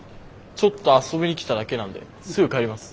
ちょっと遊びに来ただけなんですぐ帰ります。